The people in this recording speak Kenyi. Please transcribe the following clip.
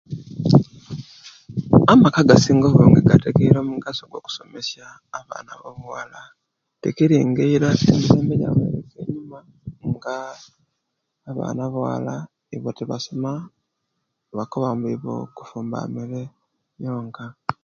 Amaka agasinga obungi gategera omugaso gwo ku somesya abaana bobuwala tikiri nga emirebe ejibitire eiyuma abaana abawala ibo tibasoma bakoba nbu ibo kufumba mere yonka.